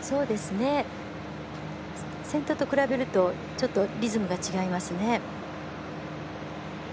先頭と比べるとちょっとリズムが違いますね。